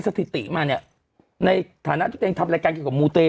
สังพักนึงแยกตีกันหมดเลย